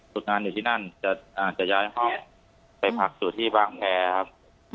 ฝึกงานอยู่ที่นั่นจะย้ายห้องไปพักสู่ที่บางแพรครับ